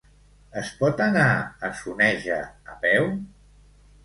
Es pot anar a Soneja a peu?